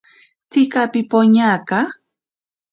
Tsika pipoñaka.